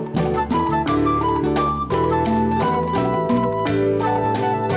kamu dari pagi